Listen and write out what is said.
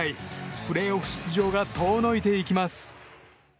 プレーオフ出場が遠のいていきます。